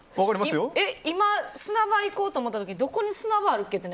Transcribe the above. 今、砂場行こうと思った時どこに砂場あるっけって。